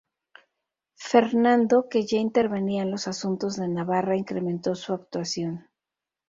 Fernando, que ya intervenía en los asuntos de Navarra, incremento su actuación.